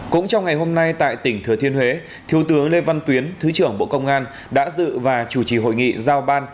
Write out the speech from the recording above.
cũng trong ngày hôm nay tại tỉnh thừa thiên huế thiếu tướng lê văn tuyến thứ trưởng bộ công an đã dự và chủ trì hội nghị giao ban